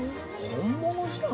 本物じゃん！